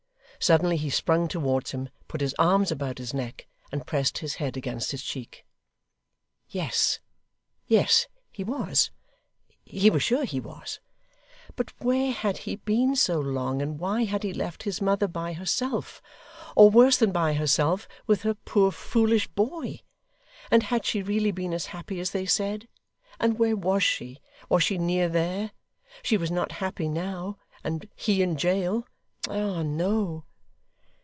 Suddenly he sprung towards him, put his arms about his neck, and pressed his head against his cheek. Yes, yes, he was; he was sure he was. But where had he been so long, and why had he left his mother by herself, or worse than by herself, with her poor foolish boy? And had she really been as happy as they said? And where was she? Was she near there? She was not happy now, and he in jail? Ah, no.